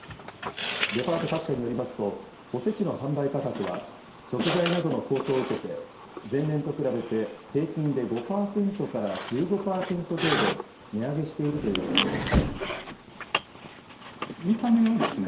デパート各社によりますと、おせちの販売価格は食材などの高騰を受けて、前年と比べて平均で５％から１５％程度、値上げしているということです。